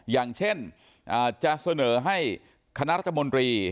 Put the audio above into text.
อย่างเช่นจะเสนอให้คณะรัฐมนตรี